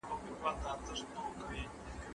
که په فایل کې وایرس وي نو متن نه خلاصېږي.